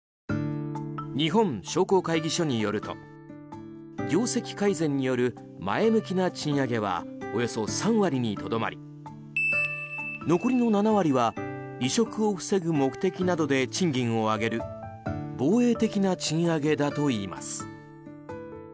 日本商工会議所によると業績改善による前向きな賃上げはおよそ３割にとどまり残りの７割は離職を防ぐ目的などで賃金を上げる防衛的な賃上げだといいます。